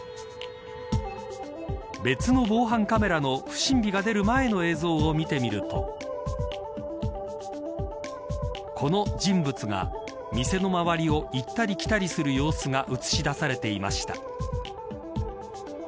別の防犯カメラの不審火が出る前の映像を見てみるとこの人物が、店の周りを行ったり来たりする様子が映し出されていました。